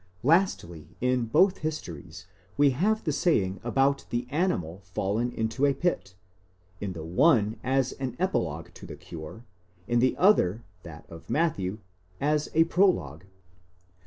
Lastly, in both histories we have the saying about the animal fallen into a pit, in the one as an epilogue to the cure, in the other (that of Matthew) as a prologue.